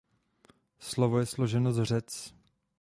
Slovo je složeno z řec.